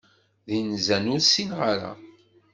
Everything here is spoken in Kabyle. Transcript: D inzan ur sinneɣ ara.